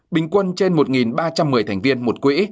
bình quân trên một ba trăm một mươi thành viên một quỹ